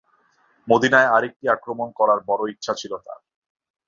মদীনায় আরেকটি আক্রমণ করার বড় ইচ্ছা ছিল তার।